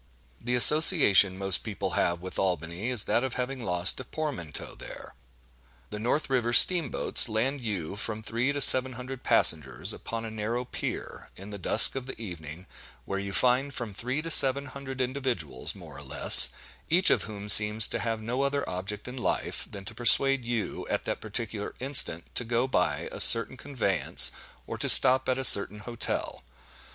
The association most people have with Albany, is that of having lost a portmanteau there. The north river steam boats land you with from three to seven hundred passengers upon a narrow pier, in the dusk of the evening, where you find from three to seven hundred individuals (more or less), each of whom seems to have no other object in life, than to persuade you, at that particular instant, to go by a certain conveyance, or to stop at a certain hotel.